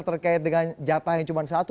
terkait dengan jatah yang cuma satu